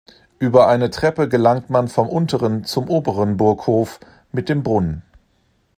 Über eine Treppe gelangt man vom unteren zum oberen Burghof mit dem Brunnen.